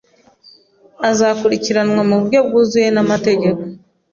Azakurikiranwa mu buryo bwuzuye n'amategeko